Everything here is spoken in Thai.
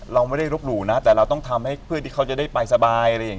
เราไม่ได้รุบหรูนะแต่เราต้องทำให้เพื่อที่เขาจะได้ไปสบาย